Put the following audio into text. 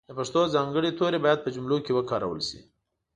د پښتو ځانګړي توري باید په جملو کښې وکارول سي.